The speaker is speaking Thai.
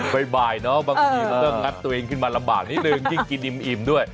ไปบ่ายเนาะบางทีก็ต้องงัดตัวเองขึ้นมาละบ่านิดนึงกินอิ่มด้วย